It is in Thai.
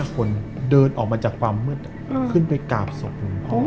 คนเดินออกมาจากความมืดขึ้นไปกราบศพ